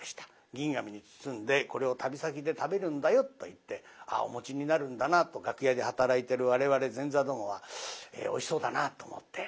銀紙に包んで「これを旅先で食べるんだよ」と言ってお持ちになるんだなと楽屋で働いている我々前座どもはおいしそうだなと思って。